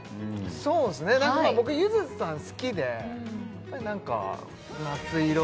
そうですね何か僕ゆずさん好きで何か「夏色」